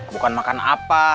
bukan makan apa